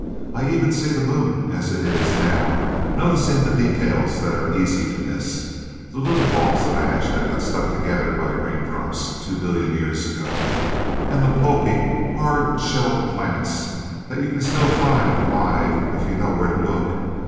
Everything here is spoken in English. I even see the Moon as it is, now, noticing details that are easy to miss the little balls of ash that got stuck together by raindrops, two billion years ago. And the pulpy, hard shelled plants that you can still find, alive, if you know where to look.